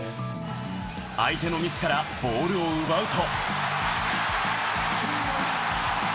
相手のミスからボールを奪うと。